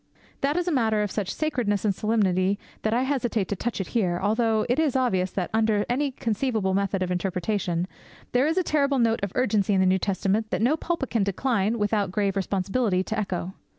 That is a matter of such sacredness and solemnity that I hesitate to touch it here; although it is obvious that, under any conceivable method of interpretation, there is a terrible note of urgency in the New Testament that no pulpit can decline, without grave responsibility, to echo.